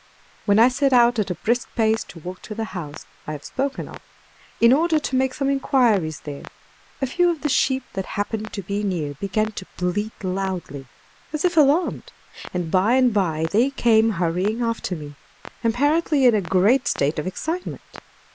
When I set out at a brisk pace to walk to the house I have spoken of, in order to make some inquiries there, a few of the sheep that happened to be near began to bleat loudly, as if alarmed, and by and by they came hurrying after me, apparently in a great state of excitement.